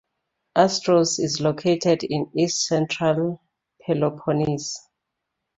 Astros is located in east-central Peloponnese.